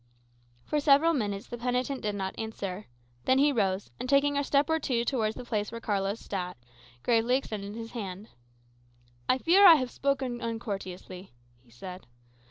For several minutes the penitent did not answer. Then he rose, and taking a step or two towards the place where Carlos sat, gravely extended his hand. "I fear I have spoken uncourteously," he said.